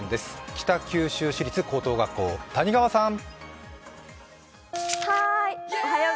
北九州市立高等学校、谷川さん。